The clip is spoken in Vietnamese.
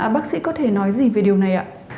bác sĩ có thể nói gì về điều này ạ